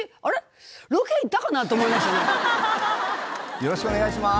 よろしくお願いします。